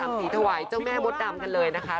สีถวายเจ้าแม่มดดำกันเลยนะคะ